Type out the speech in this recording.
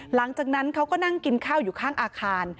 หลังจากนั้นเขาก็นั่งกินข้าวอยู่ข้างอาคาร